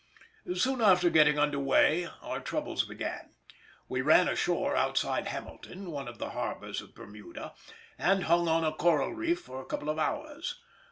Soon after getting under weigh our troubles began. We ran ashore outside Hamilton, one of the harbours of Bermuda, and hung on a coral reef for a couple of hours.